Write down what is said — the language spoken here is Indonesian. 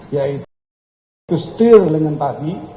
yaitu bestir handlingan tadi